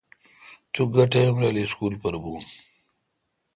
تیس گہ ٹیم رل اسکول پر بون؟